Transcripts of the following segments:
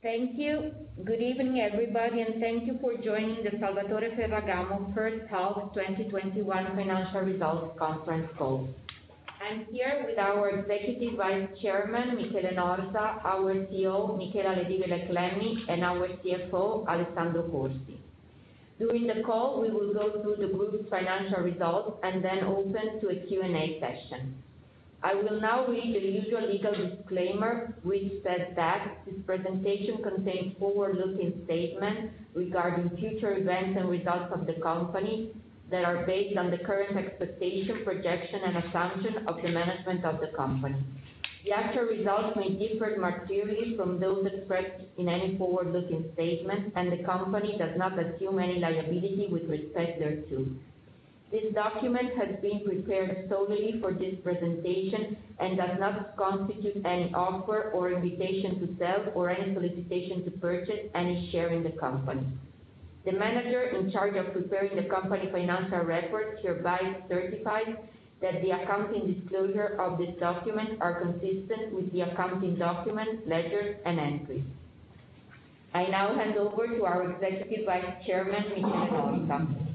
Thank you. Good evening, everybody, thank you for joining the Salvatore Ferragamo first half 2021 financial results conference call. I'm here with our Executive Vice Chairman, Michele Norsa, our CEO, Micaela le Divelec Lemmi, and our CFO, Alessandro Corsi. During the call, we will go through the group's financial results and then open to a Q and A session. I will now read the usual legal disclaimer, which says that this presentation contains forward-looking statements regarding future events and results of the company that are based on the current expectations, projections, and assumptions of the management of the company. The actual results may differ materially from those expressed in any forward-looking statements, the company does not assume any liability with respect thereto. This document has been prepared solely for this presentation and does not constitute any offer or invitation to sell or any solicitation to purchase any share in the company. The manager in charge of preparing the company financial records hereby certifies that the accounting disclosure of this document are consistent with the accounting document, ledgers, and entries. I now hand over to our Executive Vice Chairman, Michele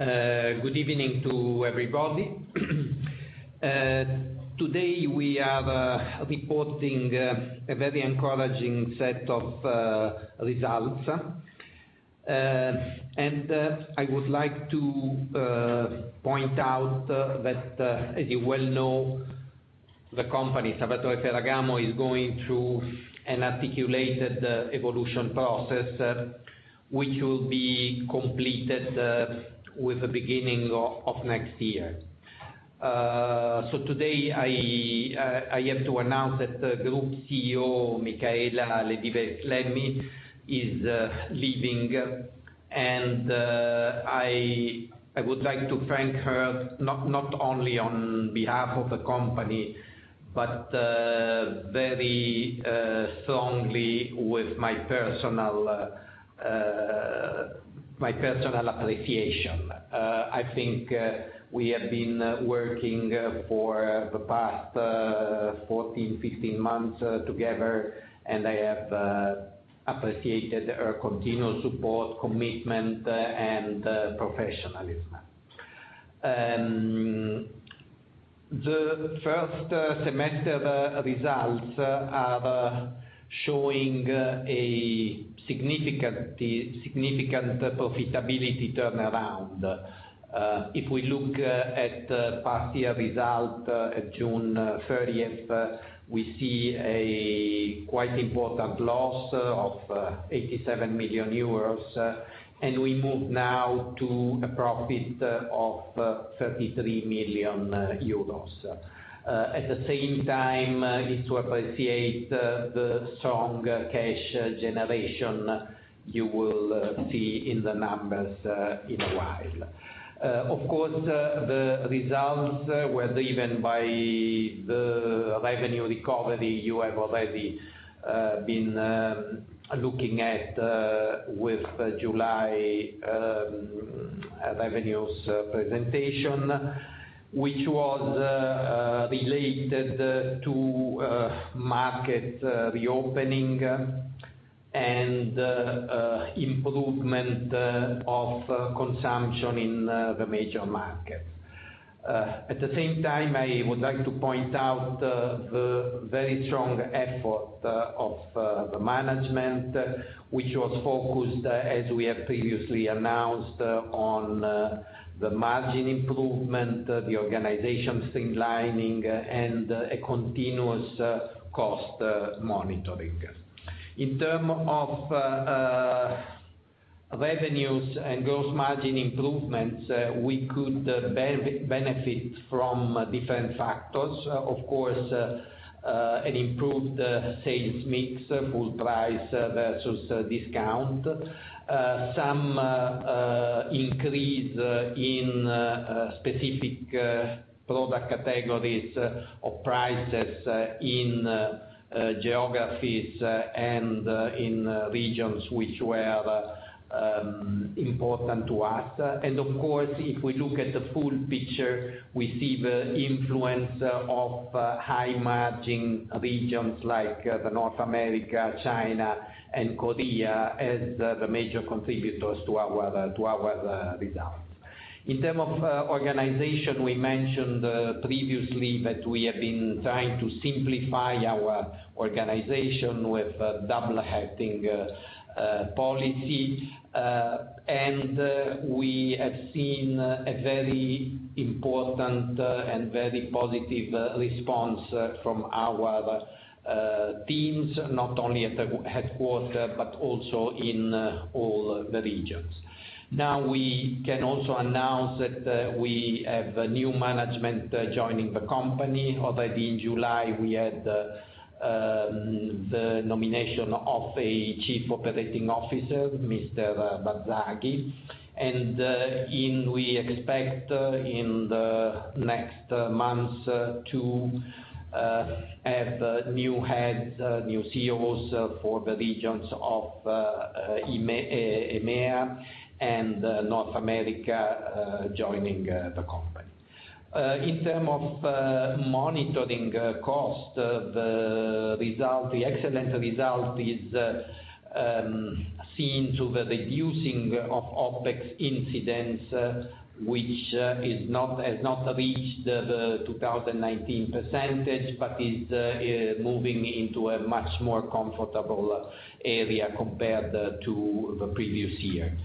Norsa. Good evening to everybody. Today we are reporting a very encouraging set of results. I would like to point out that, as you well know, the company, Salvatore Ferragamo, is going through an articulated evolution process which will be completed with the beginning of next year. Today I have to announce that the Group CEO, Micaela le Divelec Lemmi, is leaving, and I would like to thank her, not only on behalf of the company, but very strongly with my personal appreciation. I think we have been working for the past 14, 15 months together, and I have appreciated her continual support, commitment, and professionalism. The first semester results are showing a significant profitability turnaround. If we look at the past year result at June 30th, we see a quite important loss of 87 million euros, and we move now to a profit of 33 million euros. At the same time, is to appreciate the strong cash generation you will see in the numbers in a while. Of course, the results were driven by the revenue recovery you have already been looking at with July revenues presentation, which was related to market reopening and improvement of consumption in the major markets. At the same time, I would like to point out the very strong effort of the Management, which was focused, as we have previously announced, on the margin improvement, the organization streamlining, and a continuous cost monitoring. In term of revenues and gross margin improvements, we could benefit from different factors, of course, an improved sales mix, full price versus discount. Some increase in specific product categories or prices in geographies and in regions which were important to us. Of course, if we look at the full picture, we see the influence of high-margin regions like North America, China, and Korea as the major contributors to our results. In terms of organization, we mentioned previously that we have been trying to simplify our organization with double-hatting policy, and we have seen a very important and very positive response from our teams, not only at the headquarters, but also in all the regions. We can also announce that we have a new management joining the company. Already in July, we had the nomination of a Chief Operating Officer, Mr. Gobbetti. We expect in the next months to have new heads, new CEOs for the regions of EMEA and North America joining the company. In terms of monitoring cost, the excellent result is seen through the reducing of OpEx incidence, which has not reached the 2019 percentage, but is moving into a much more comfortable area compared to the previous year.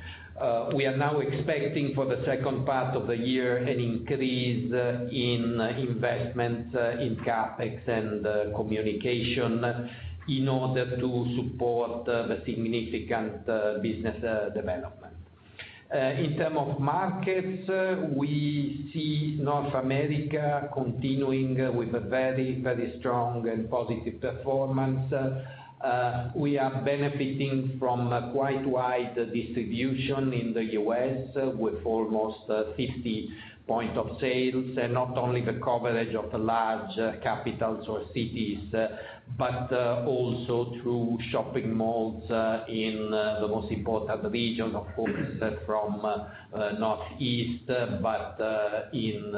We are now expecting for the second part of the year, an increase in investment in CapEx and communication in order to support the significant business development. In terms of markets, we see North America continuing with a very, very strong and positive performance. We are benefiting from quite wide distribution in the U.S. with almost 50 point of sales, not only the coverage of large capitals or cities, but also through shopping malls in the most important regions, of course from Northeast, but in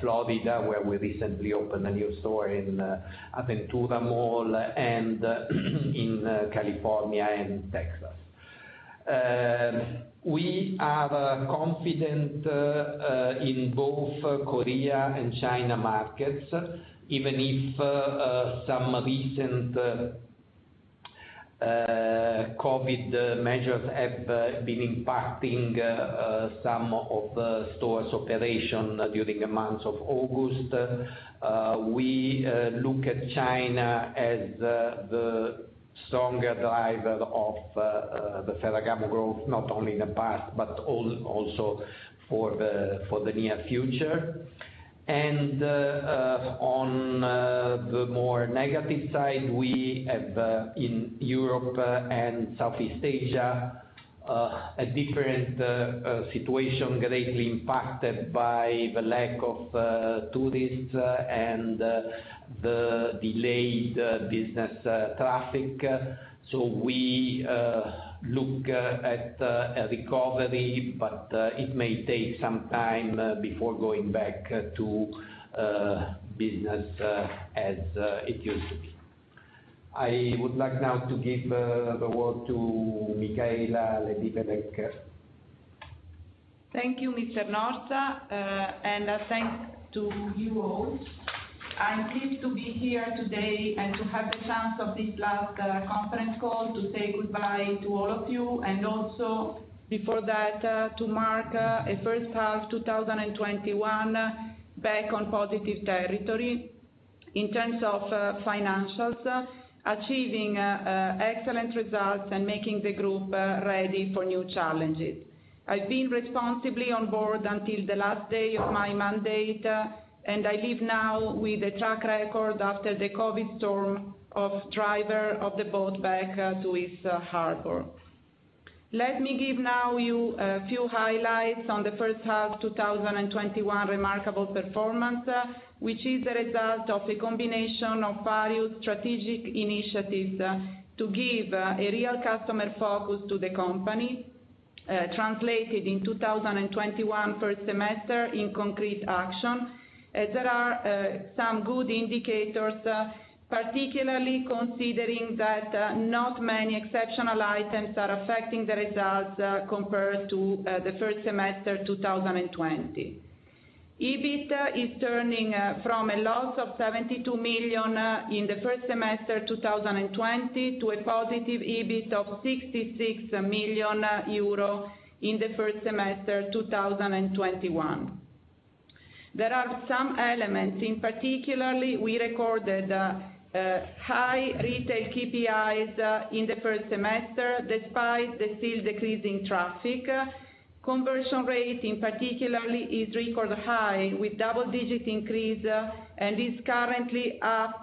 Florida, where we recently opened a new store in Aventura Mall and in California and Texas. We are confident in both Korea and China markets, even if some recent COVID measures have been impacting some of the stores' operation during the month of August. We look at China as the strong driver of the Ferragamo growth, not only in the past, but also for the near future. On the more negative side, we have in Europe and Southeast Asia, a different situation greatly impacted by the lack of tourists and the delayed business traffic. We look at a recovery, but it may take some time before going back to business as it used to be. I would like now to give the word to Micaela le Divelec. Thank you, Mr. Norsa. Thanks to you all. I'm pleased to be here today and to have the chance of this last conference call to say goodbye to all of you, and also before that, to mark a first half 2021 back on positive territory in terms of financials, achieving excellent results and making the group ready for new challenges. I've been responsibly on board until the last day of my mandate, and I leave now with a track record after the COVID storm of driver of the boat back to its harbor. Let me give now you a few highlights on the first half 2021 remarkable performance, which is a result of a combination of various strategic initiatives to give a real customer focus to the company, translated in 2021 first semester in concrete action. There are some good indicators, particularly considering that not many exceptional items are affecting the results compared to the first semester 2020. EBIT is turning from a loss of 72 million in the first semester 2020 to a positive EBIT of 66 million euro in the first semester 2021. There are some elements, in particular we recorded high retail KPIs in the first semester, despite the still decreasing traffic. Conversion rate in particular is record high with double-digit increase and is currently up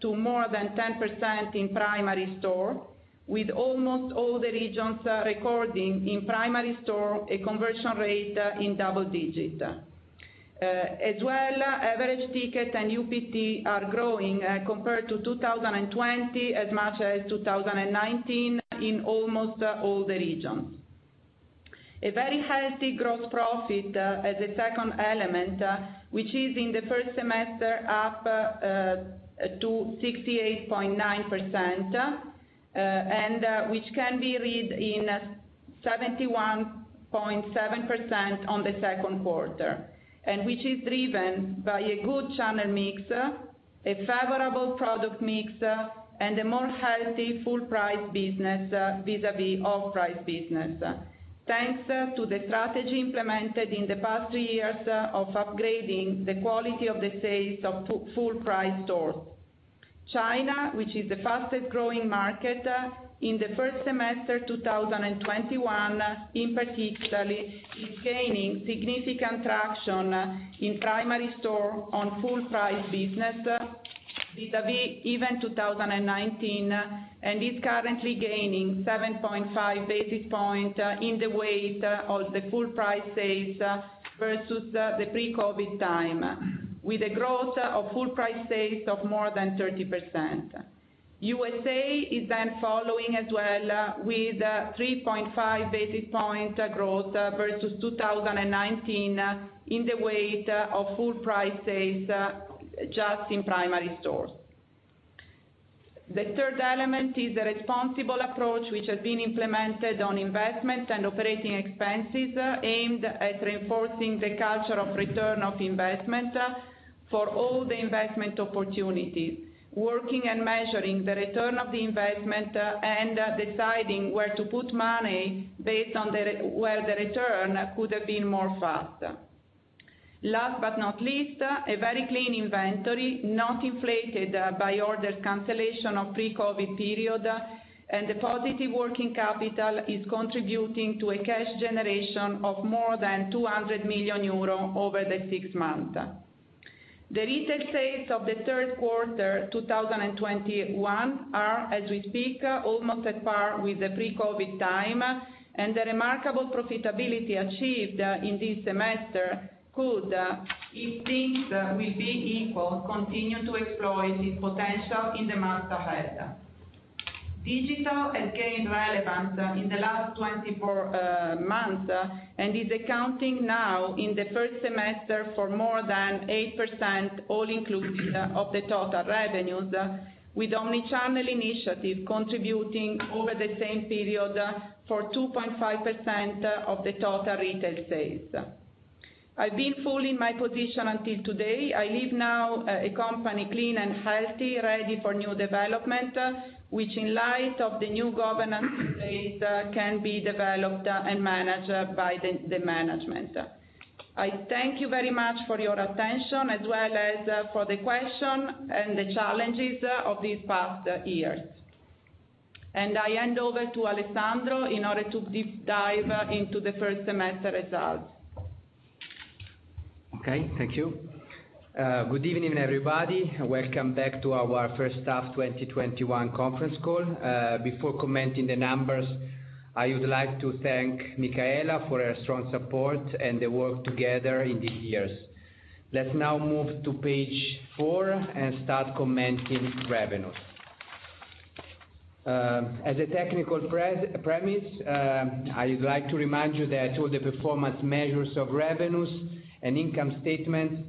to more than 10% in primary store, with almost all the regions recording in primary store a conversion rate in double-digit. As well, average ticket and UPT are growing compared to 2020 as much as 2019 in almost all the regions. A very healthy gross profit as a second element, which is in the first semester up to 68.9%. Which can be read in 71.7% on the second quarter. Which is driven by a good channel mix, a favorable product mix, and a more healthy full price business vis-à-vis off price business. Thanks to the strategy implemented in the past three years of upgrading the quality of the sales of full price stores. China, which is the fastest growing market, in the first semester 2021 in particular, is gaining significant traction in primary store on full price business vis-à-vis even 2019, and is currently gaining 7.5 basis points in the weight of the full price sales versus the pre-COVID time, with a growth of full price sales of more than 30%. USA is following as well with 3.5 basis points growth versus 2019 in the weight of full prices just in primary stores. The third element is the responsible approach which has been implemented on investment and operating expenses aimed at reinforcing the culture of return of investment for all the investment opportunities, working and measuring the return of the investment and deciding where to put money based on where the return could have been more fast. Last but not least, a very clean inventory, not inflated by orders cancellation of pre-COVID period and the positive working capital is contributing to a cash generation of more than 200 million euro over the six months. The retail sales of the third quarter 2021 are, as we speak, almost at par with the pre-COVID time and the remarkable profitability achieved in this semester could, if things will be equal, continue to exploit its potential in the months ahead. Digital has gained relevance in the last 24 months and is accounting now in the first semester for more than 8% all inclusive of the total revenues with omni-channel initiative contributing over the same period for 2.5% of the total retail sales. I've been full in my position until today. I leave now a company clean and healthy, ready for new development, which in light of the new governance in place can be developed and managed by the management. I thank you very much for your attention as well as for the question and the challenges of these past years. I hand over to Alessandro in order to deep dive into the first semester results. Okay, thank you. Good evening, everybody. Welcome back to our first half 2021 conference call. Before commenting the numbers, I would like to thank Micaela for her strong support and the work together in these years. Let's now move to page four and start commenting revenues. As a technical premise, I would like to remind you that all the performance measures of revenues and income statement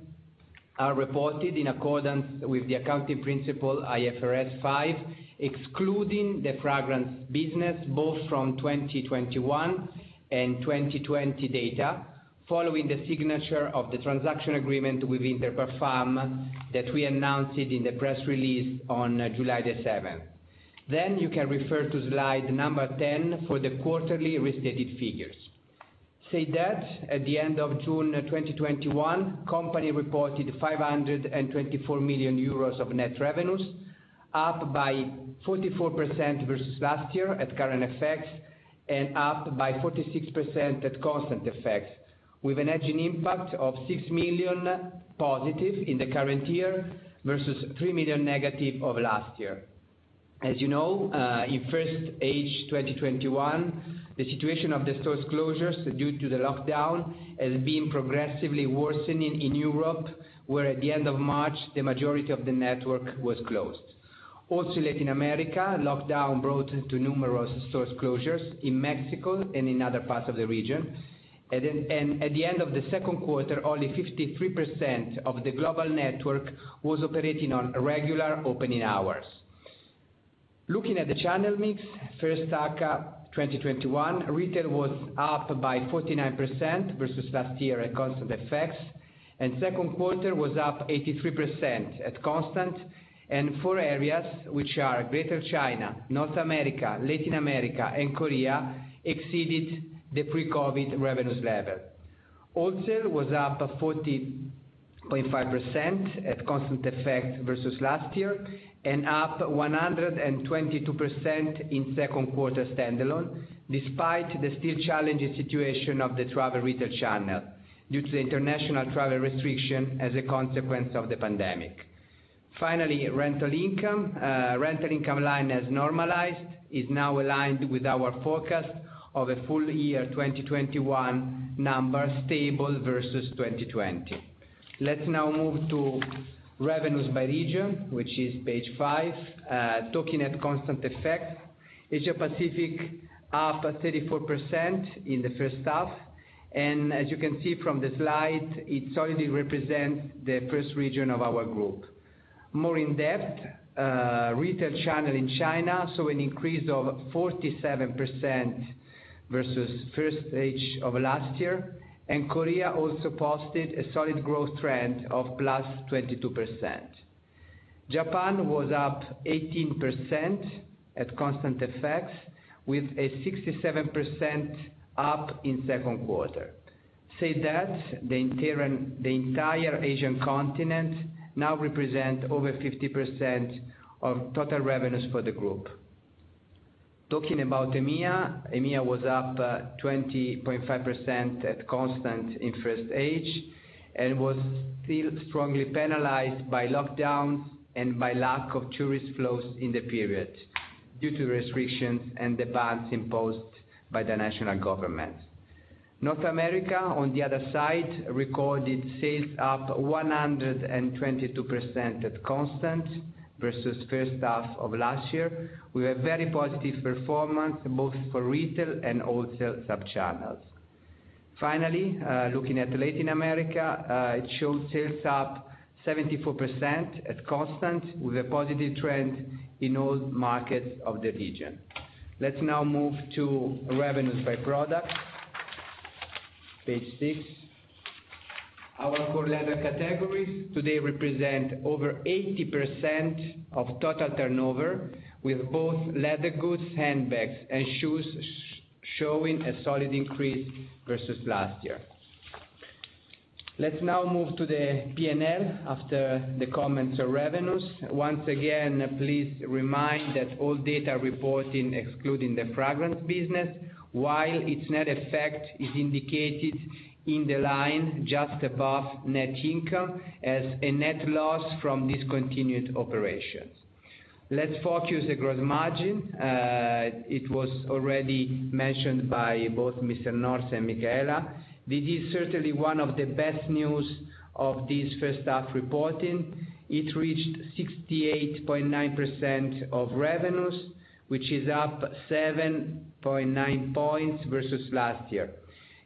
are reported in accordance with the accounting principle IFRS 5, excluding the Fragrance business both from 2021 and 2020 data following the signature of the transaction agreement with Interparfums that we announced in the press release on July 7th. You can refer to slide number 10 for the quarterly restated figures. Say that at the end of June 2021, company reported 524 million euros of net revenues, up by 44% versus last year at current FX and up by 46% at constant FX, with a hedging impact of 6 million+ in the current year versus 3 million- of last year. As you know, in first H 2021, the situation of the stores closures due to the lockdown has been progressively worsening in Europe, where at the end of March, the majority of the network was closed. Latin America, lockdown brought to numerous stores closures in Mexico and in other parts of the region. At the end of the second quarter, only 53% of the global network was operating on regular opening hours. Looking at the channel mix, first half 2021, retail was up by 49% versus last year at constant FX, and second quarter was up 83% at constant, and four areas, which are Greater China, North America, Latin America, and Korea, exceeded the pre-COVID revenues level. Wholesale was up 40.5% at constant FX versus last year and up 122% in second quarter standalone, despite the still challenging situation of the travel retail channel due to the international travel restriction as a consequence of the pandemic. Finally, rental income. Rental income line has normalized, is now aligned with our forecast of a full year 2021 numbers stable versus 2020. Let's now move to revenues by region, which is page five. Talking at constant FX, Asia Pacific up 34% in the first half, and as you can see from the slide, it solidly represents the first region of our group. More in depth, retail channel in China saw an increase of 47% versus first H of last year. Korea also posted a solid growth trend of +22%. Japan was up 18% at constant FX with a 67% up in second quarter. Say that, the entire Asian continent now represent over 50% of total revenues for the group. Talking about EMEA. EMEA was up 20.5% at constant in first H and was still strongly penalized by lockdowns and by lack of tourist flows in the period due to restrictions and the bans imposed by the national government. North America, on the other side, recorded sales up 122% at constant versus first half of last year, with a very positive performance both for retail and wholesale sub-channels. Finally, looking at Latin America, it shows sales up 74% at constant with a positive trend in all markets of the region. Let's now move to revenues by product, page six. Our core Leather categories today represent over 80% of total turnover, with both leather goods, handbags, and shoes showing a solid increase versus last year. Let's now move to the P&L after the comments on revenues. Once again, please remind that all data reporting excluding the Fragrance business, while its net effect is indicated in the line just above net income as a net loss from discontinued operations. Let's focus the gross margin. It was already mentioned by both Mr. Norsa and Micaela. This is certainly one of the best news of this first half reporting. It reached 68.9% of revenues, which is up 7.9 points versus last year.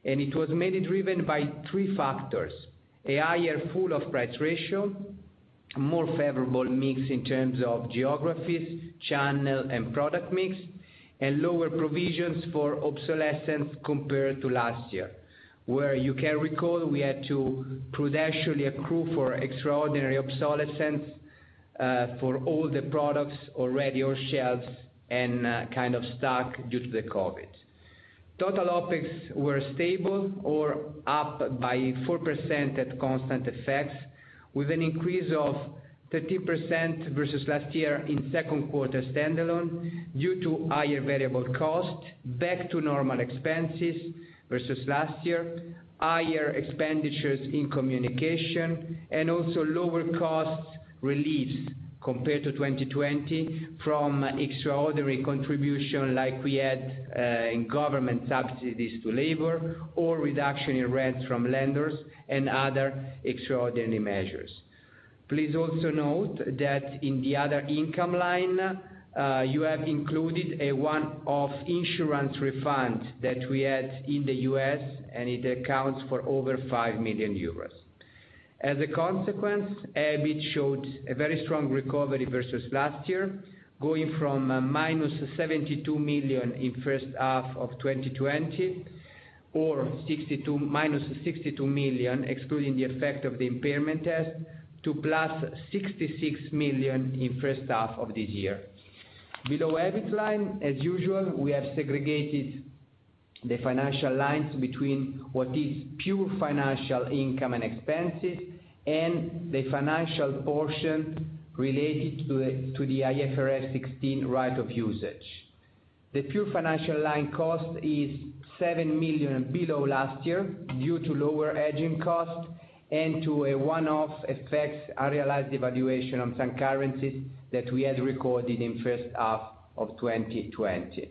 It was mainly driven by three factors: a higher full price ratio, a more favorable mix in terms of geographies, channel, and product mix, and lower provisions for obsolescence compared to last year, where you can recall we had to prudentially accrue for extraordinary obsolescence, for all the products already on shelves and kind of stuck due to the COVID. Total OpEx were stable or up by 4% at constant FX, with an increase of 30% versus last year in second quarter standalone due to higher variable costs, back to normal expenses versus last year, higher expenditures in communication, and also lower costs released compared to 2020 from extraordinary contribution like we had in government subsidies to labor or reduction in rents from lenders and other extraordinary measures. Please also note that in the other income line, you have included a one-off insurance refund that we had in the U.S., and it accounts for over 5 million euros. As a consequence, EBIT showed a very strong recovery versus last year, going from -72 million in first half of 2020, or -62 million excluding the effect of the impairment test, to +66 million in first half of this year. Below EBIT line, as usual, we have segregated the financial lines between what is pure financial income and expenses and the financial portion related to the IFRS 16 right of usage. The pure financial line cost is 7 million below last year due to lower hedging costs and to a one-off effect, a realized evaluation of some currencies that we had recorded in first half of 2020.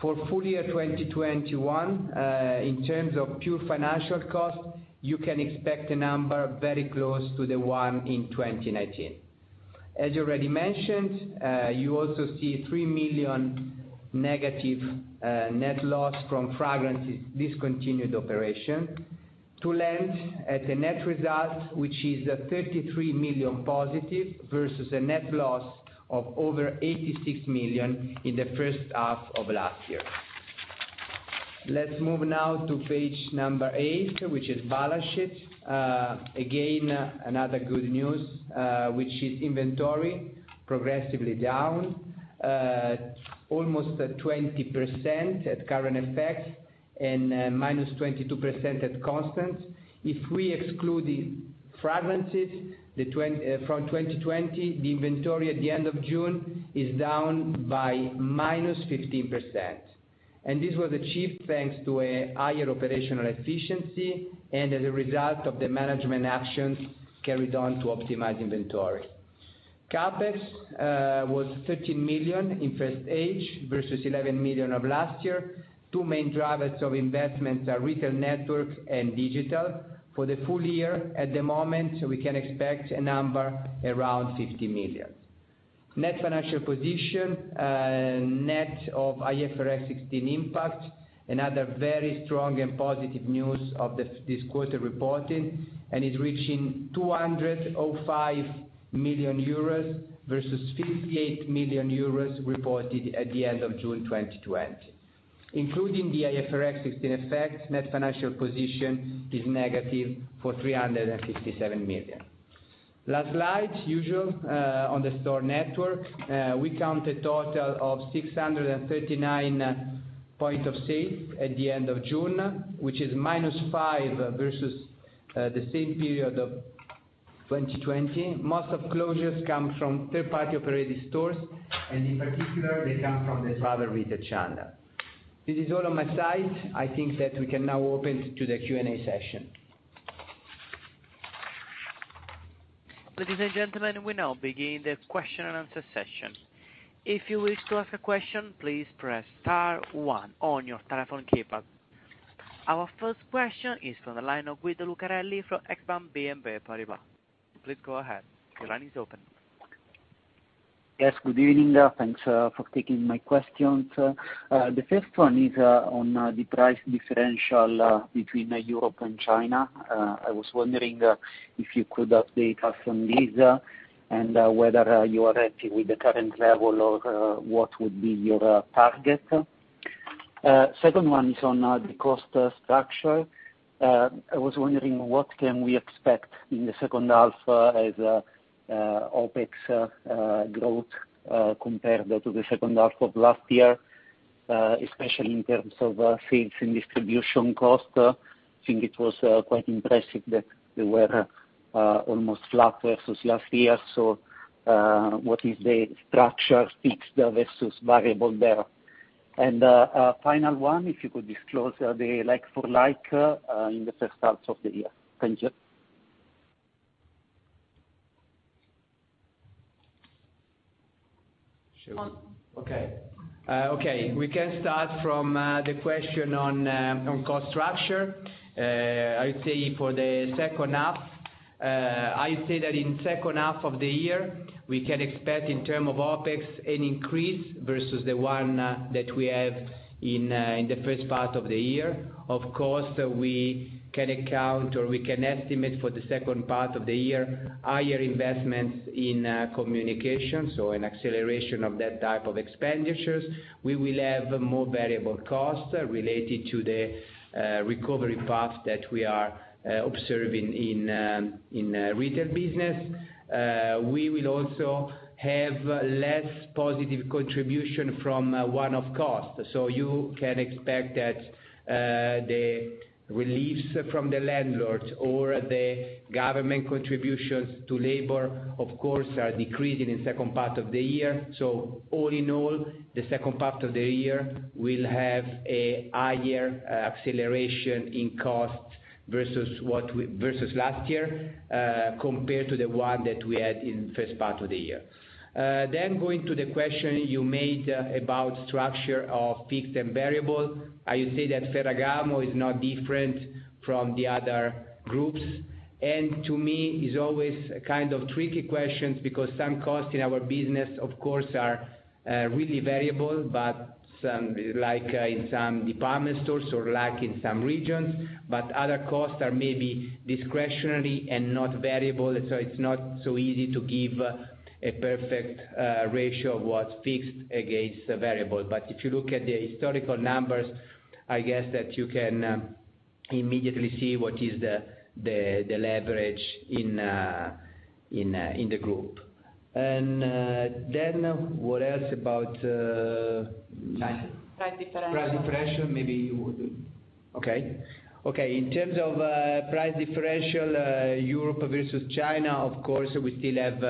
For full year 2021, in terms of pure financial cost, you can expect a number very close to the one in 2019. As already mentioned, you also see 3 million- net loss from fragrances discontinued operation to land at a net result, which is 33 million+ versus a net loss of over 86 million in the first half of last year. Let's move now to page number eight, which is balance sheet. Again, another good news, which is inventory progressively down, almost at 20% at current FX and -22% at constant. If we exclude the fragrances from 2020, the inventory at the end of June is down by -15%. This was achieved thanks to a higher operational efficiency and as a result of the management actions carried on to optimize inventory. CapEx was 13 million in first H versus 11 million of last year. Two main drivers of investments are retail network and digital. For the full year, at the moment, we can expect a number around 50 million. Net financial position, net of IFRS 16 impact, another very strong and positive news of this quarter reporting, is reaching 205 million euros versus 58 million euros reported at the end of June 2020. Including the IFRS 16 effect, net financial position is negative for 357 million. Last slide, usual, on the store network. We count a total of 639 point of sale at the end of June, which is -5 versus the same period of 2020. Most of closures come from third-party operated stores, and in particular, they come from the travel retail channel. This is all on my side. I think that we can now open to the Q and A session. Ladies and gentlemen, we now begin the question and answer session. If you wish to ask a question please press star one on your telephone keypad. Our first question is from the line of Guido Lucarelli from Exane BNP Paribas. Please go ahead. Your line is open. Yes, good evening. Thanks for taking my questions. The first one is on the price differential between Europe and China. I was wondering if you could update us on this, and whether you are happy with the current level or what would be your target. Second one is on the cost structure. I was wondering what can we expect in the second half as OpEx growth compared to the second half of last year, especially in terms of sales and distribution cost. I think it was quite impressive that they were almost flat versus last year. What is the structure fixed versus variable there? Final one, if you could disclose the like-for-like in the first half of the year. Thank you. Sure. Okay. We can start from the question on cost structure. I would say that in second half of the year, we can expect in term of OpEx, an increase versus the one that we have in the first part of the year. Of course, we can account or we can estimate for the second part of the year, higher investments in communication, so an acceleration of that type of expenditures. We will have more variable costs related to the recovery path that we are observing in retail business. We will also have less positive contribution from one-off costs. You can expect that the reliefs from the landlords or the government contributions to labor, of course, are decreasing in second part of the year. All in all, the second part of the year will have a higher acceleration in costs versus last year, compared to the one that we had in first part of the year. Going to the question you made about structure of fixed and variable, I would say that Ferragamo is not different from the other groups. To me, it's always a kind of tricky question because some costs in our business, of course, are really variable, like in some department stores or like in some regions, but other costs are maybe discretionary and not variable. It's not so easy to give a perfect ratio of what's fixed against variable. If you look at the historical numbers, I guess that you can immediately see what is the leverage in the group. What else? Price differential. Price differential. In terms of price differential, Europe versus China, of course, we still have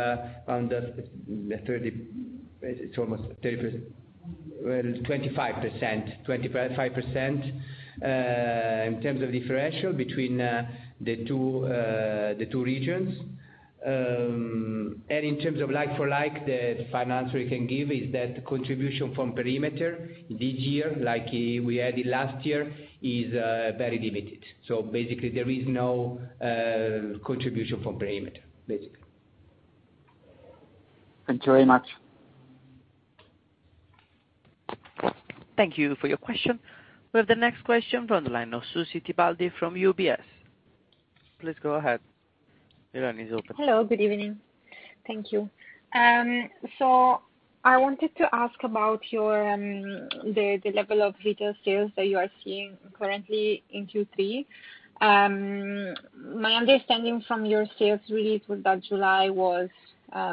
almost 25% in terms of differential between the two regions. In terms of like-for-like, the final answer we can give is that contribution from perimeter this year, like we had it last year, is very limited. Basically, there is no contribution from perimeter. Thank you very much. Thank you for your question. We have the next question from the line of Susy Tibaldi from UBS. Please go ahead. Your line is open. Hello, good evening. Thank you. I wanted to ask about the level of retail sales that you are seeing currently in Q3. My understanding from your sales release was that July was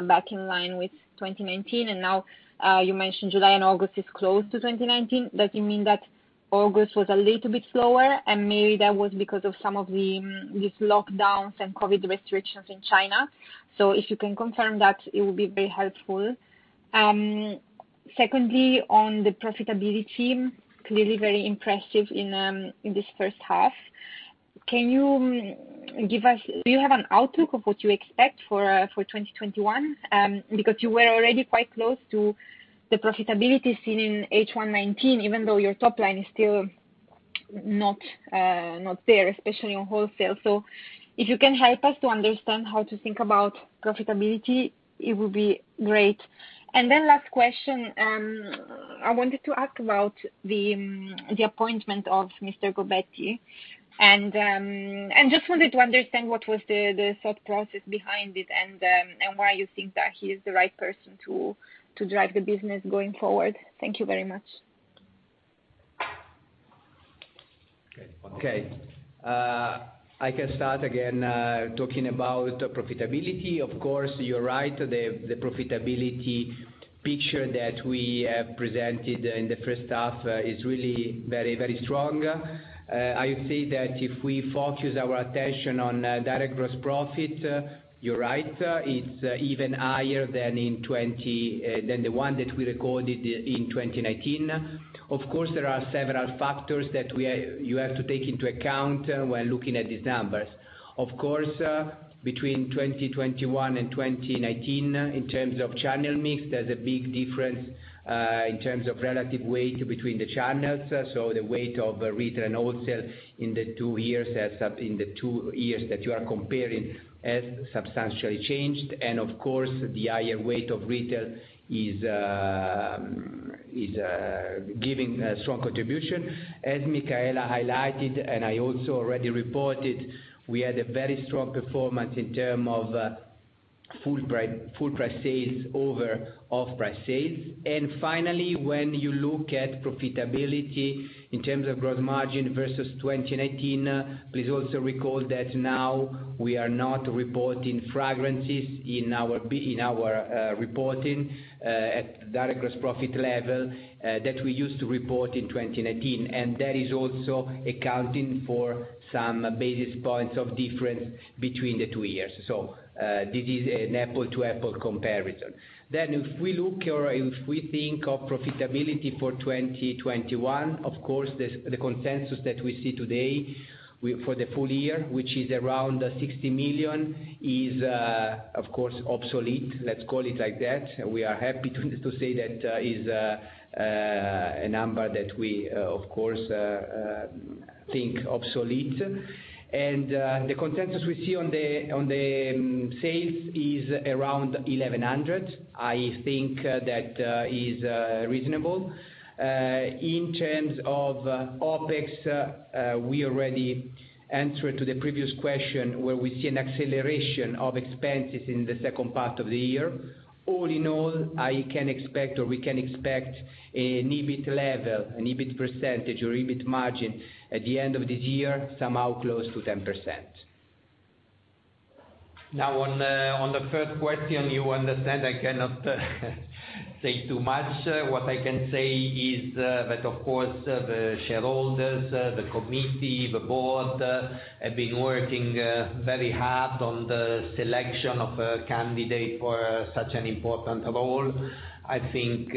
back in line with 2019, and now you mentioned July and August is close to 2019. Does it mean that August was a little bit slower, and maybe that was because of some of these lockdowns and COVID restrictions in China? If you can confirm that, it would be very helpful. Secondly, on the profitability, clearly very impressive in this first half. Do you have an outlook of what you expect for 2021? You were already quite close to the profitability seen in H1 2019, even though your top line is still not there, especially on wholesale. If you can help us to understand how to think about profitability, it would be great. Last question, I wanted to ask about the appointment of Mr. Gobbetti, and just wanted to understand what was the thought process behind it, and why you think that he is the right person to drive the business going forward. Thank you very much. Okay. I can start again talking about profitability. Of course, you're right, the profitability picture that we have presented in the first half is really very strong. I say that if we focus our attention on direct gross profit, you're right, it's even higher than the one that we recorded in 2019. Of course, there are several factors that you have to take into account when looking at these numbers. Of course, between 2021 and 2019, in terms of channel mix, there's a big difference in terms of relative weight between the channels. The weight of retail and wholesale in the two years that you are comparing has substantially changed. Of course, the higher weight of retail is giving a strong contribution. As Micaela highlighted, and I also already reported, we had a very strong performance in terms of full price sales over off-price sales. Finally, when you look at profitability in terms of gross margin versus 2019, please also recall that now we are not reporting fragrances in our reporting at direct gross profit level that we used to report in 2019. That is also accounting for some basis points of difference between the two years. This is an apple to apple comparison. If we look or if we think of profitability for 2021, of course, the consensus that we see today for the full year, which is around 60 million, is of course obsolete. Let's call it like that. We are happy to say that is a number that we of course think obsolete. The consensus we see on the sales is around 1,100. I think that is reasonable. In terms of OpEx, we already answered to the previous question where we see an acceleration of expenses in the second part of the year. All in all, I can expect, or we can expect an EBIT level, an EBIT percentage or EBIT margin at the end of this year, somehow close to 10%. Now on the first question, you understand, I cannot say too much. What I can say is that of course, the shareholders, the committee, the board, have been working very hard on the selection of a candidate for such an important role. I think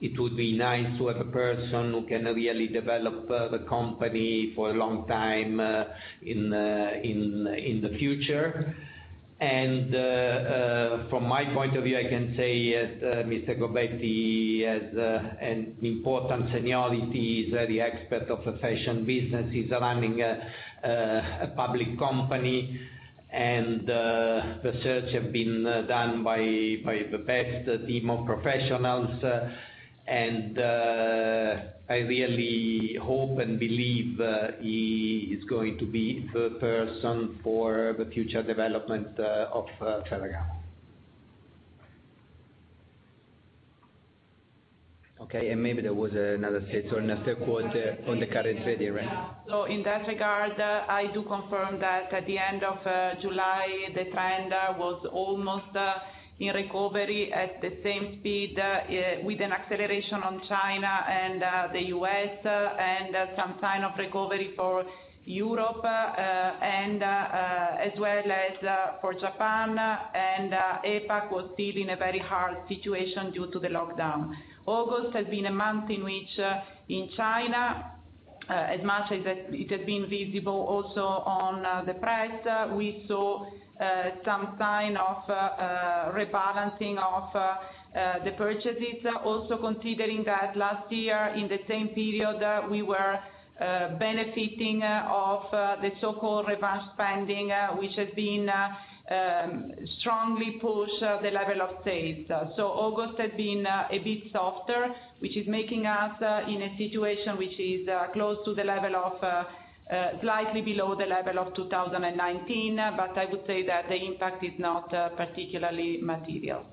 it would be nice to have a person who can really develop the company for a long time in the future. From my point of view, I can say that Mr. Gobbetti has an important seniority, is an expert of a fashion business, is running a public company and the search has been done by the best team of professionals. I really hope and believe he is going to be the person for the future development of Ferragamo. Okay, maybe there was another statement, a quote on the current period, right? In that regard, I do confirm that at the end of July, the trend was almost in recovery at the same speed with an acceleration on China and the U.S. and some sign of recovery for Europe as well as for Japan and APAC was still in a very hard situation due to the lockdown. August has been a month in which in China, as much as it has been visible also on the press, we saw some sign of rebalancing of the purchases. Considering that last year in the same period, we were benefiting of the so-called revenge spending which has been strongly push the level of sales. August has been a bit softer, which is making us in a situation which is close to the level of, slightly below the level of 2019. I would say that the impact is not particularly material.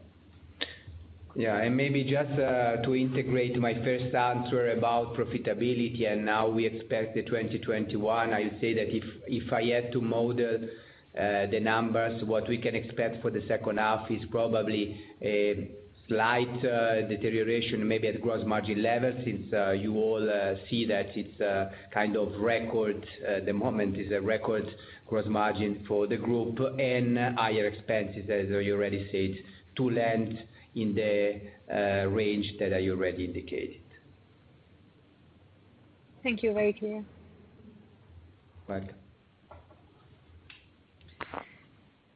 Maybe just to integrate my first answer about profitability and now we expect the 2021, I say that if I had to model the numbers, what we can expect for the second half is probably a slight deterioration, maybe at gross margin level since you all see that it's kind of record at the moment. It's a record gross margin for the group and higher expenses, as you already said, to land in the range that I already indicated. Thank you. Very clear. Thank you.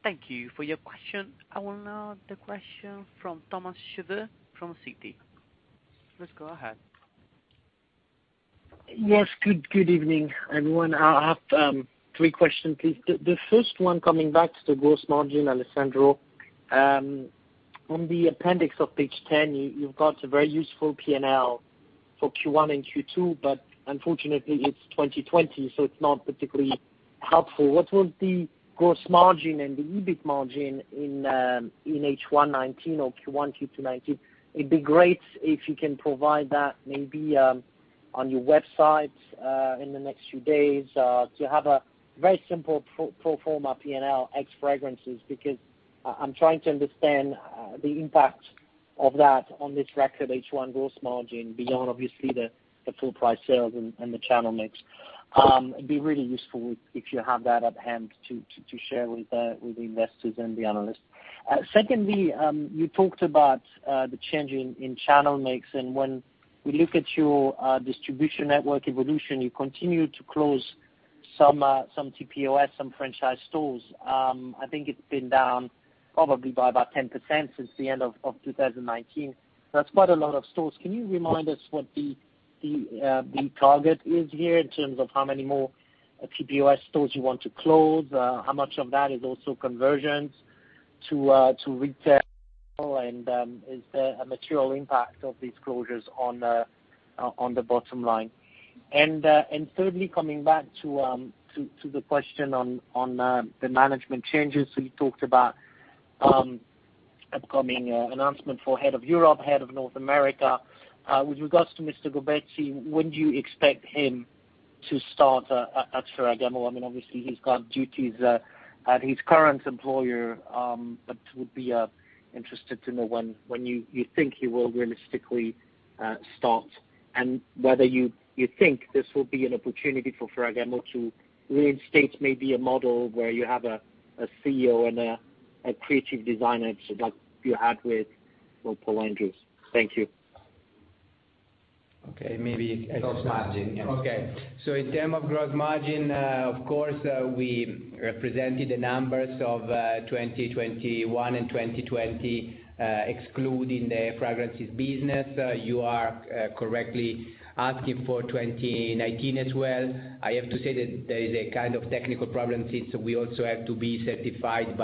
Thank you for your question. I will now the question from Thomas Chauvet from Citi. Please go ahead. Yes. Good evening, everyone. I have three questions, please. The first one, coming back to the gross margin, Alessandro. On the appendix of page 10, you've got a very useful P&L for Q1 and Q2, but unfortunately it's 2020, so it's not particularly helpful. What was the gross margin and the EBIT margin in H1 2019 or Q1, Q2 2019? It'd be great if you can provide that maybe on your website in the next few days, to have a very simple pro forma P&L ex fragrances, because I'm trying to understand the impact of that on this record H1 gross margin beyond obviously the full price sales and the channel mix. It'd be really useful if you have that at hand to share with the investors and the analysts. Secondly, you talked about the change in channel mix. When we look at your distribution network evolution, you continue to close some TPOS, some franchise stores. I think it's been down probably by about 10% since the end of 2019. That's quite a lot of stores. Can you remind us what the target is here in terms of how many more TPOS stores you want to close? How much of that is also conversions to retail? Is there a material impact of these closures on the bottom line? Thirdly, coming back to the question on the management changes, you talked about upcoming announcement for Head of Europe, Head of North America. With regards to Mr. Gobbetti, when do you expect him to start at Ferragamo? Obviously, he's got duties at his current employer, but would be interested to know when you think he will realistically start, and whether you think this will be an opportunity for Ferragamo to reinstate maybe a model where you have a CEO and a creative designer like you had with Paul Andrew. Thank you. Okay. Gross margin, yes. Okay. In terms of gross margin, of course, we represented the numbers of 2021 and 2020, excluding the fragrances business. You are correctly asking for 2019 as well. I have to say that there is a kind of technical problem since we also have to be certified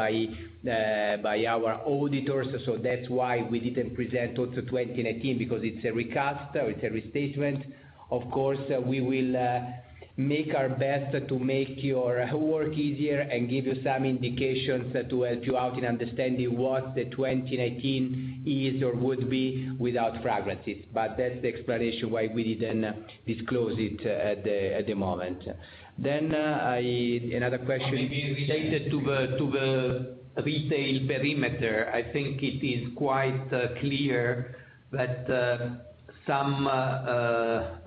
by our auditors. That's why we didn't present also 2019, because it's a recast, it's a restatement. Of course, we will make our best to make your work easier and give you some indications to help you out in understanding what the 2019 is or would be without fragrances. That's the explanation why we didn't disclose it at the moment. Another question related to the retail perimeter. I think it is quite clear that some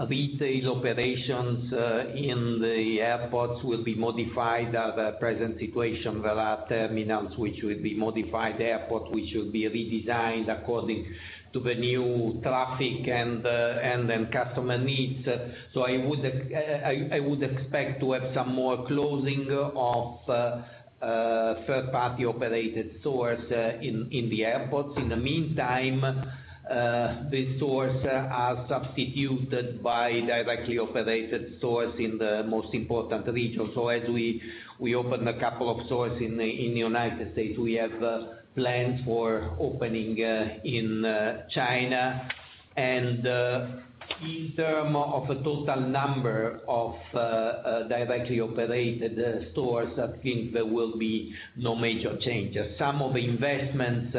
retail operations in the airports will be modified. The present situation, there are terminals which will be modified, airports which will be redesigned according to the new traffic and customer needs. I would expect to have some more closing of third-party operated stores in the airports. In the meantime, these stores are substituted by directly operated stores in the most important regions. As we open two stores in the U.S., we have plans for opening in China. In terms of a total number of directly operated stores, I think there will be no major changes. Some of the investments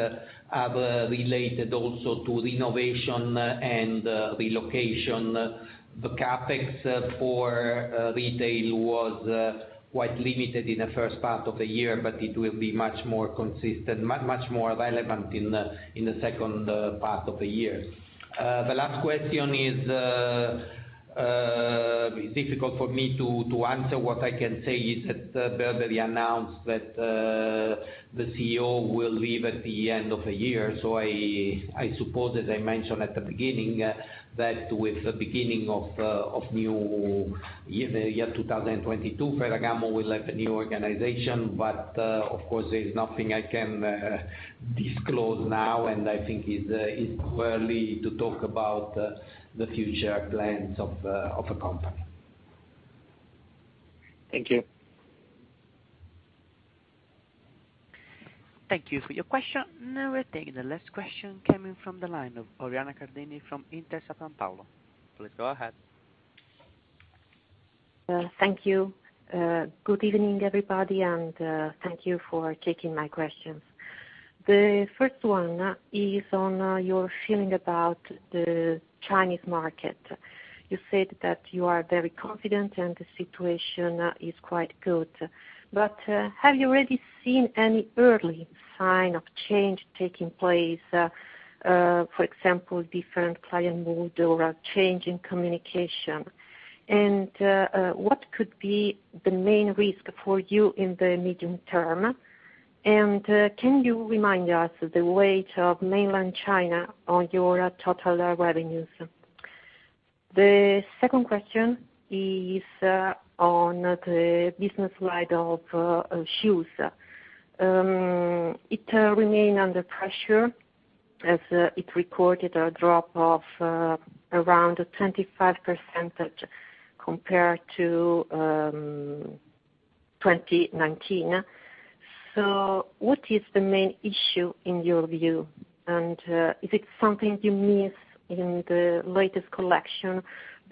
are related also to renovation and relocation. The CapEx for retail was quite limited in the first part of the year, but it will be much more consistent, much more relevant in the second part of the year. The last question is difficult for me to answer. What I can say is that Burberry announced that the CEO will leave at the end of the year. I suppose, as I mentioned at the beginning, that with the beginning of new year 2022, Ferragamo will have a new organization. Of course, there is nothing I can disclose now, and I think it's too early to talk about the future plans of a company. Thank you. Thank you for your question. We take the last question coming from the line of Oriana Cardani from Intesa Sanpaolo. Please go ahead. Thank you. Good evening, everybody, and thank you for taking my questions. The first one is on your feeling about the Chinese market. You said that you are very confident and the situation is quite good. Have you already seen any early sign of change taking place? For example, different client mood or a change in communication. What could be the main risk for you in the medium term? Can you remind us the weight of mainland China on your total revenues? The second question is on the business side of Shoes. It remain under pressure as it recorded a drop of around 25% compared to 2019. What is the main issue in your view, and is it something you miss in the latest collection,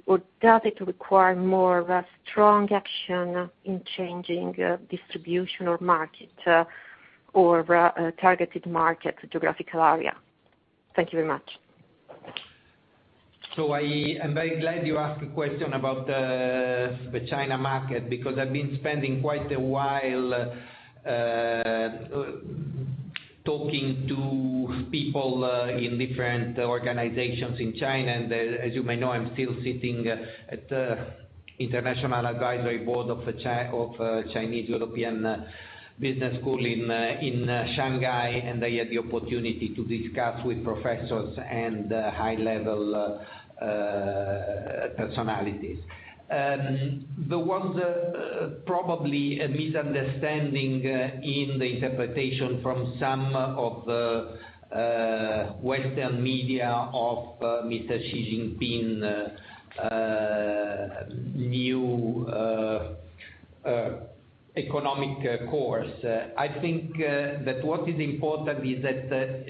or does it require more of a strong action in changing distribution or market, or targeted market geographical area? Thank you very much. I am very glad you asked a question about the China market because I've been spending quite a while talking to people in different organizations in China. As you may know, I'm still sitting at the International Advisory Board of China Europe International Business School in Shanghai, and I had the opportunity to discuss with professors and high-level personalities. There was probably a misunderstanding in the interpretation from some of the Western media of Mr. Xi Jinping new economic course. I think that what is important is that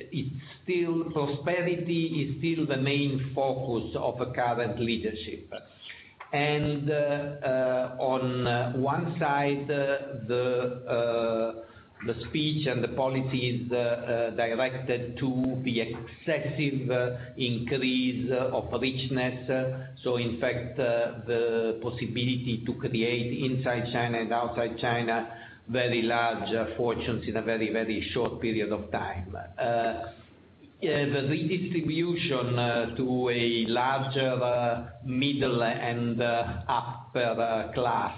prosperity is still the main focus of the current leadership. On one side, the speech and the policy is directed to the excessive increase of richness. In fact, the possibility to create inside China and outside China, very large fortunes in a very short period of time. The redistribution to a larger middle and upper class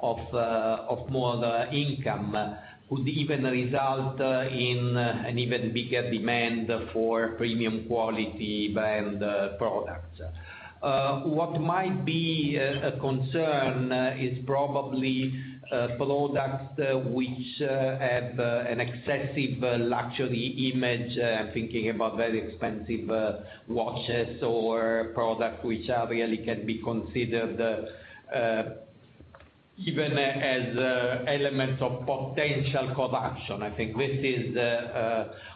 of more income could even result in an even bigger demand for premium quality brand products. What might be a concern is probably products which have an excessive luxury image. I'm thinking about very expensive watches or products which really can be considered even as elements of potential corruption. I think this is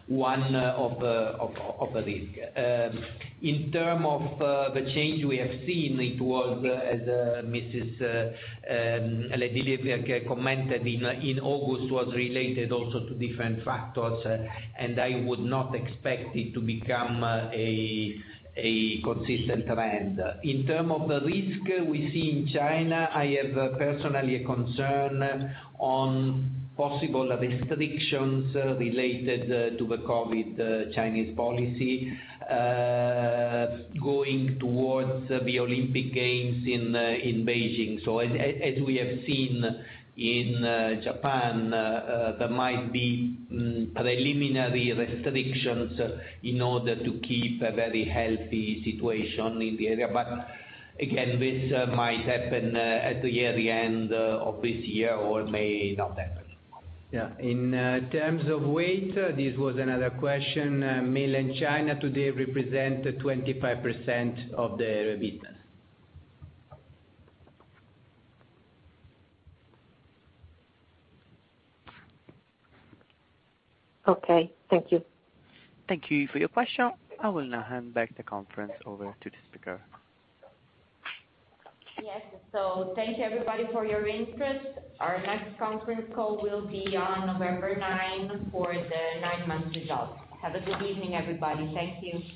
one of the risks. In term of the change we have seen, it was, as Mrs. le Divelec commented in August, was related also to different factors, and I would not expect it to become a consistent trend. In term of the risk we see in China, I have personally a concern on possible restrictions related to the COVID Chinese policy, going towards the Olympic Games in Beijing. As we have seen in Japan, there might be preliminary restrictions in order to keep a very healthy situation in the area. Again, this might happen at the year end of this year or may not happen. Yeah. In terms of weight, this was another question. Mainland China today represent 25% of the business. Okay. Thank you. Thank you for your question. I will now hand back the conference over to the speaker. Yes. Thank you everybody for your interest. Our next conference call will be on November 9 for the 9-month results. Have a good evening, everybody. Thank you.